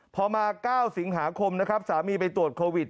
พอมา๙สิงหาคมสามีไปตรวจโควิด